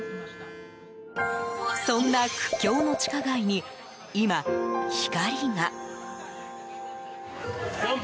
そんな苦境の地下街に今、光が。